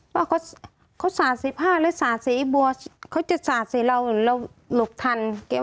ว่าเขาสาด๑๕หรือสาดสีบัวเขาจะสาดสีเราเราหลบทัน